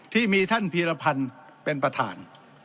ที่มีท่านพีรพันธ์เป็นประธาน